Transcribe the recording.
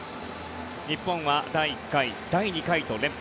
日本は第１回、第２回と連覇。